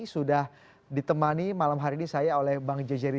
sudah ditemani malam hari ini saya oleh bang jejeri